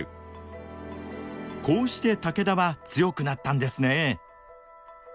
こうして武田は強くなったんですね。